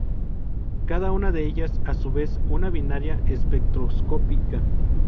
Cada una de ellas es, a su vez, una binaria espectroscópica.